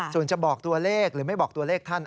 ส่วนจะบอกตัวเลขหรือไม่บอกตัวเลขท่าน